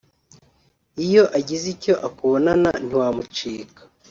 iyo agize icyo akubonana ntiwamucika